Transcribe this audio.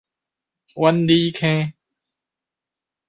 苑裡坑